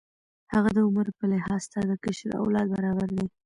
هغه د عمر په لحاظ ستا د کشر اولاد برابر دی.